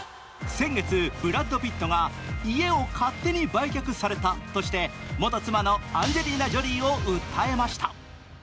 先月、ブラッド・ピットが家を勝手に売却されたとして元妻のアンジェリーナ・ジョリーを訴えました。